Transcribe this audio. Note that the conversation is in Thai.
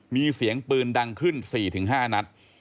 มีเสียงปืนดังขึ้น๔๕นัด